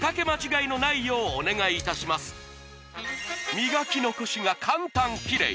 磨き残しが簡単キレイ！